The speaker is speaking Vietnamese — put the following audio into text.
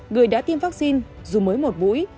người đã tiêm vaccine dù mới một buổi